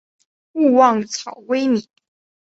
勿忘草微米。